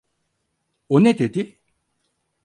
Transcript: O ne dedi?